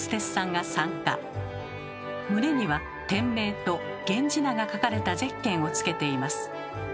胸には店名と源氏名が書かれたゼッケンをつけています。